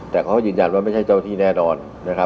แต่เขาก็ยืนยันว่าไม่ใช่เจ้าที่แน่นอนนะครับ